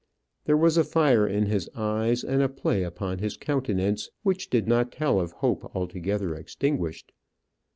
There was a fire in his eyes and a play upon his countenance which did not tell of hope altogether extinguished.